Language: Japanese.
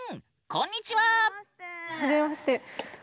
こんにちは！